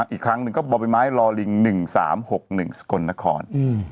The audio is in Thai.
อีกครั้งหนึ่งก็บ่อใบไม้ลอลิง๑๓๖๑สกลนคร